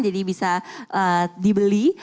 jadi bisa dibeli